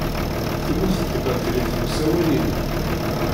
Temmut tbatrit n usawal-inu.